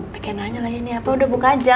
pikenanya lah ini apa udah buka aja